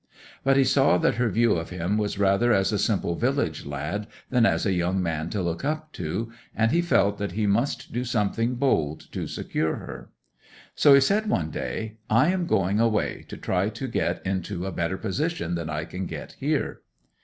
'But he saw that her view of him was rather as a simple village lad than as a young man to look up to, and he felt that he must do something bold to secure her. So he said one day, "I am going away, to try to get into a better position than I can get here."